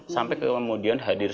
sampai kemudian hadir seorang iwan fals